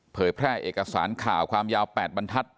แพร่เอกสารข่าวความยาว๘บรรทัศน